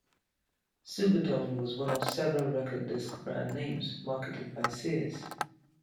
Supertone was one of several record disc brand names marketed by Sears.